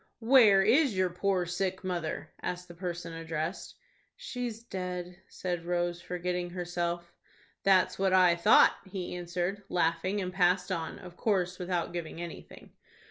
"Where is your poor sick mother?" asked the person addressed. "She's dead," said Rose, forgetting herself. "That's what I thought," he answered, laughing, and passed on, of course without giving anything.